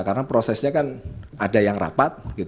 karena prosesnya kan ada yang rapat